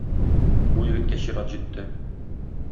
Бу егеткә чират җитте.